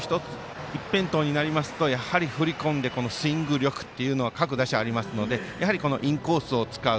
一辺倒になりますと踏み込んでスイング力というのは各打者ありますのでインコースを使う。